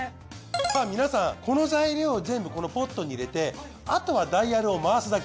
さぁ皆さんこの材料を全部このポットに入れてあとはダイヤルを回すだけ。